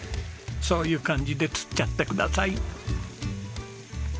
そういう感じで釣っちゃってください。